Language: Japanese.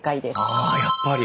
あやっぱり。